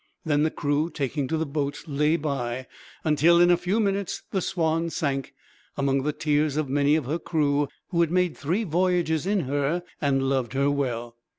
Then the crew, taking to the boats, lay by, until in a few minutes the Swanne sank, among the tears of many of her crew, who had made three voyages in her, and loved her well.